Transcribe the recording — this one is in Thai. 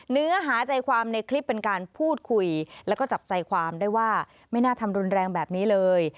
เนื้อหาใจความในคลิปเป็นการพูดคุยแล้วก็จับใจความได้ว่าไม่น่าทำรุนแรงแบบนี้เลย